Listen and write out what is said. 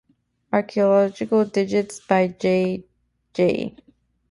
Archaeological digs by J.-J.